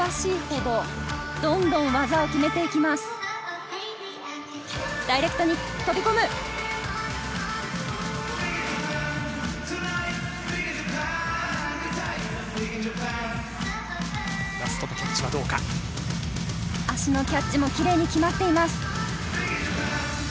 腰のキャッチもきれいに決まっています。